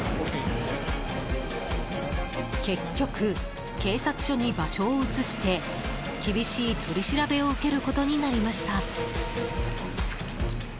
結局、警察署に場所を移して厳しい取り調べを受けることになりました。